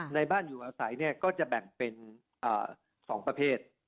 ในบ้านอยู่อาศัยก็จะแบ่งเป็น๒ประเภท